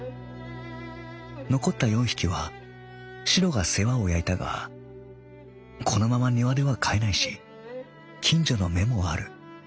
残った四匹はしろが世話を焼いたがこのまま庭では飼えないし近所の目もある。